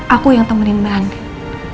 aku yang temenin mbak hanti